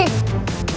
udah lo tenang aja